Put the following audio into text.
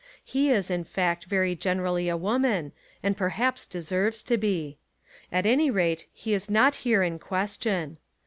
He is in fact very generally a woman and perhaps deserves to be. At any rate he is not here in question.